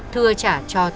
thưa trả cho tuấn